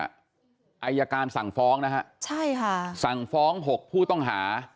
อายการสั่งฟ้องนะฮะใช่ค่ะสั่งฟ้อง๖ผู้ต้องหา